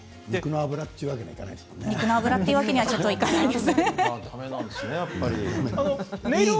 肉の脂というわけにはいかないですもんね。